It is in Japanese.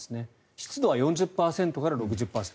湿度は４０％から６０％。